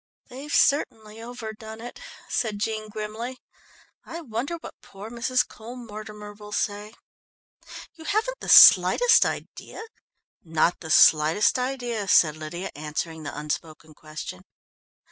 "They've certainly overdone it," said Jean grimly. "I wonder what poor Mrs. Cole Mortimer will say. You haven't the slightest idea " "Not the slightest idea," said Lydia, answering the unspoken question.